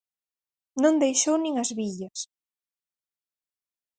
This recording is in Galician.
Non deixou nin as billas.